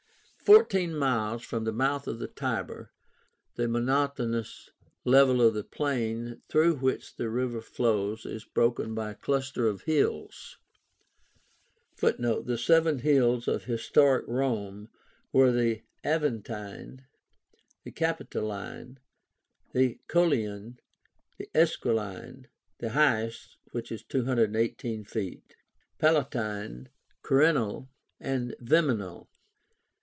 Fourteen miles from the mouth of the Tiber, the monotonous level of the plain through which the river flows is broken by a cluster of hills (Footnote: The seven hills of historic Rome were the Aventine, Capitoline, Coelian, Esquiline (the highest, 218 feet), Palatine, Quirínal, and Viminal.